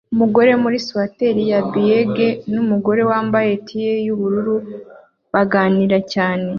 Umugabo muri swater ya beige numugore wambaye tee yubururu baganira cyane